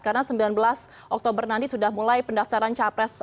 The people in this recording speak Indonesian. karena sembilan belas oktober nanti sudah mulai pendaftaran capres